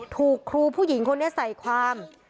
ถูกครูผู้หญิงคนนี้ใส่ความ